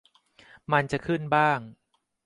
มันจะขึ้นบ้าง